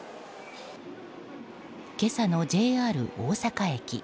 今朝のＪＲ大阪駅。